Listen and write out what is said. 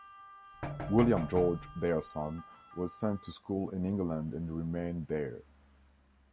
William George, their son, was sent to school in England and remained there.